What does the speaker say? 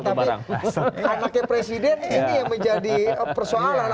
tapi anaknya presiden ini yang menjadi persoalan